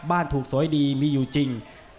ถูกสวยดีมีอยู่จริง